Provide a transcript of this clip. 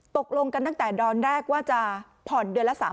ตกลงกันตั้งแต่ดอนแรกว่าจะผ่อนเดือนละ๓๐๐